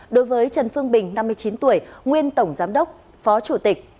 đối với trần phương bình năm mươi chín tuổi nguyên tổng giám đốc phó chủ tịch